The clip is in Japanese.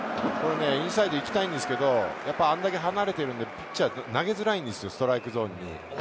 インサイド行きたいんですけれど、あれだけ離れてるので、ピッチャーは投げづらいんですよ、ストライクゾーンに。